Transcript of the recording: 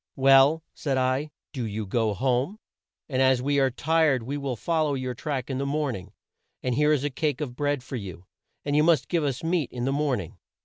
'Well,' said I, 'do you go home; and as we are tired we will fol low your track in the morn ing, and here is a cake of bread for you, and you must give us meat in the morn ing.'